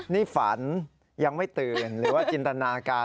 นี่ฝันยังไม่ตื่นหรือว่าจินตนาการ